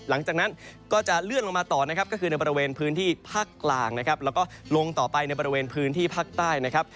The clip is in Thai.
หลังจากนั้นก็จะเลื่อนลงมาต่อนะครับก็คือในบริเวณพื้นที่ภาคกลางนะครับแล้วก็ลงต่อไปในบริเวณพื้นที่ภาคใต้นะครับ